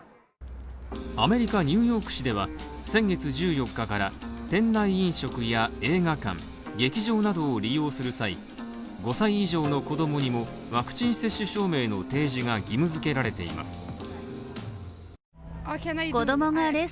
アメリカ・ニューヨーク市では、先月１４日から店内飲食や映画館劇場などを利用する際、５歳以上の子供にもワクチン接種証明の提示が義務付けられています。